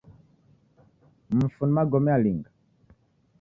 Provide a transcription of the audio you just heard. Mfu ni magome alinga?